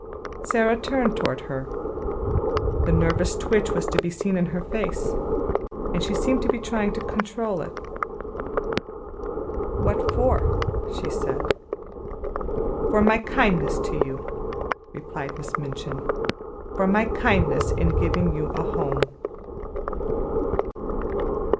Sara turned toward her. The nervous twitch was to be seen again in her face, and she seemed to be trying to control it. "What for?" she said. "For my kindness to you," replied Miss Minchin. "For my kindness in giving you a home."